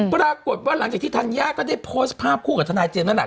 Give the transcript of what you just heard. ปรากฏว่าหลังจากที่ธัญญาก็ได้โพสต์ภาพคู่กับทนายเจมส์นั่นแหละ